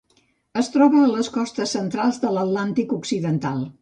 Es troba a les costes centrals de l'Atlàntic Occidental.